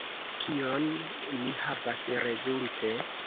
Kion ni havas rezulte?